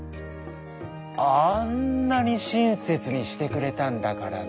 あんなにしんせつにしてくれたんだからのう」。